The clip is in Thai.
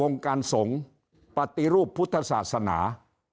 การสงฆ์ปฏิรูปพุทธศาสนา